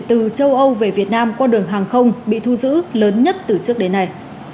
từ châu âu về việt nam qua đường hàng không bị thu giữ lớn nhất từ trước đến nay